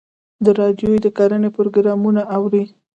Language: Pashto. د راډیو د کرنې پروګرامونه اورئ؟